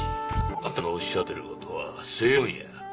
あんたのおっしゃってることは正論や。